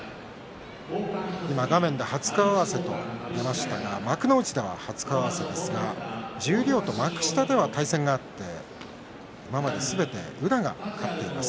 画面で初顔合わせと出ましたが幕内では初顔合わせですが十両と幕下では対戦があって今まですべて宇良が勝っています。